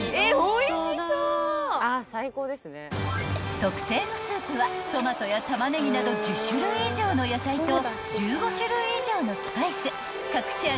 ［特製のスープはトマトやタマネギなど１０種類以上の野菜と１５種類以上のスパイス隠し味に和風だしを使用］